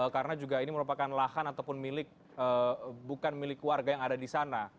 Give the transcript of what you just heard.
karena juga ini merupakan lahan ataupun milik bukan milik warga yang ada di sana